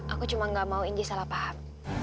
aku cuma gak mau inggi salah paham